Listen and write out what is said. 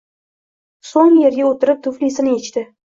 So’ng yerga o’tirib tuflisini yechdi